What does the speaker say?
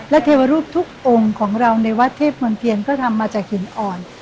และเทวรูปทุกองค์ของเราในวัดเทพมนเทียนก็ทำมาจากหินอ่อน